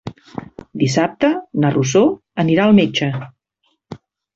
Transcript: Dissabte na Rosó anirà al metge.